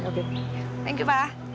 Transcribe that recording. kamu pilih betul